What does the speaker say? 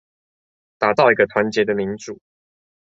打造一個團結的民主